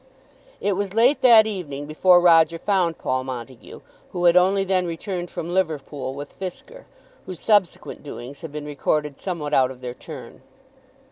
It was late that evening before Roger found Paul Montague, who had only then returned from Liverpool with Fisker, whose subsequent doings have been recorded somewhat out of their turn.